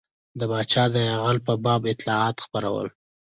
د پاچا د یرغل په باب اطلاعات خپرول.